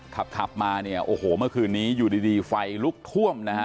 ขับขับมาเนี่ยโอ้โหเมื่อคืนนี้อยู่ดีไฟลุกท่วมนะฮะ